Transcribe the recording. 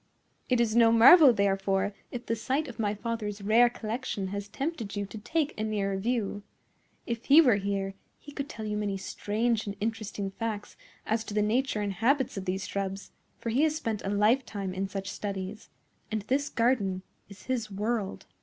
"It is no marvel, therefore, if the sight of my father's rare collection has tempted you to take a nearer view. If he were here, he could tell you many strange and interesting facts as to the nature and habits of these shrubs; for he has spent a lifetime in such studies, and this garden is his world."